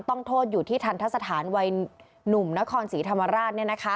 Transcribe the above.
ต้องโทษอยู่ที่ทันทะสถานวัยหนุ่มนครศรีธรรมราช